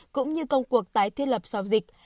cũng như công cuộc tái thiết lập sau dịch